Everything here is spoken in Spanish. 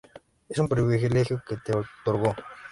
Es un privilegio que te otorgo